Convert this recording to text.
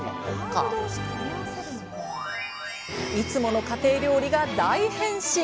いつもの家庭料理が大変身！